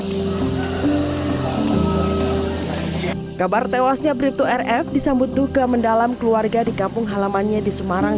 hai kabar tewasnya brieftoe rf disambut tuga mendalam keluarga di kampung halamannya di semarang